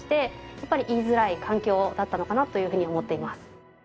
やっぱり言いづらい環境だったのかなというふうに思っています。